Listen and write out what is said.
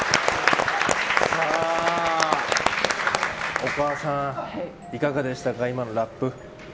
お母さん、いかがでしたか今のラップ。